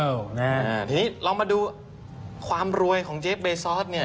ทีนี้ลองมาดูความรวยของเจ๊เบซอสเนี่ย